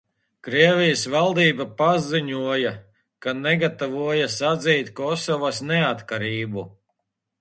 Krievijas valdība paziņoja, ka negatavojas atzīt Kosovas neatkarību.